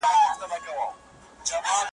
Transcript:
ژړا هېره خنداګاني سوی ښادي سوه .